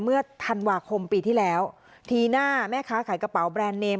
เมื่อธันวาคมปีที่แล้วทีหน้าแม่ค้าขายกระเป๋าแบรนด์เนม